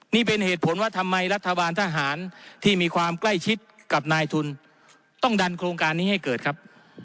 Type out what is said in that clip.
นี่เป็นเหตุผลว่าทำไมรัฐบาลทหารที่มีความใกล้ชิดกับนายทุนต้องดันโครงการนี้ให้เกิดครับ